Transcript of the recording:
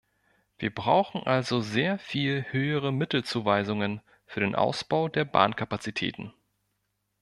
Wir brauchen also sehr viel höhere Mittelzuweisungen für den Ausbau der Bahnkapazitäten.